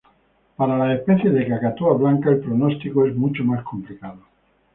Para las especies de cacatúas blancas, el pronóstico es mucho más complicado.